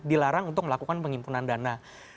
dilarang untuk melakukan penghimpunan dana